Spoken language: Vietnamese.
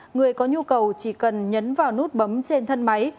người có nhu cầu chỉ cần nhấn vào nút bấm trên thân máy